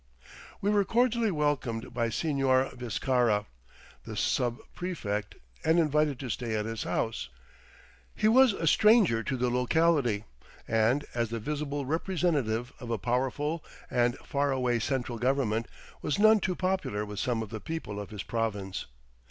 We were cordially welcomed by Señor Viscarra, the sub prefect, and invited to stay at his house. He was a stranger to the locality, and, as the visible representative of a powerful and far away central government, was none too popular with some of the people of his province.